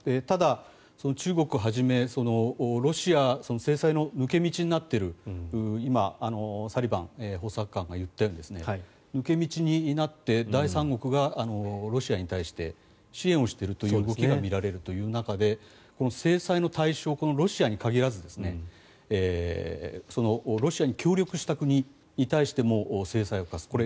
ただ、中国をはじめ制裁の抜け道になっている今、サリバン補佐官が言ったように抜け道になって第三国がロシアに対して支援をしているという動きが見られるという中で制裁の対象、ロシアに限らずロシアに協力した国に対しても制裁を科す。